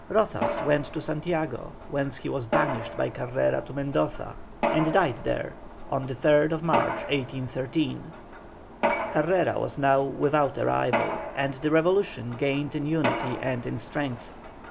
Rozas went to Santiago, whence he was banished by Carrera to Mendoza, and died there on the 3rd March, 1813. Carrera was now without a rival, and the revolution gained in unity and in strength.